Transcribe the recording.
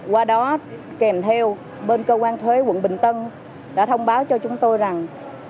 qua đó kèm theo bên cơ quan thuế quận bình tân đã thông báo cho chúng tôi rằng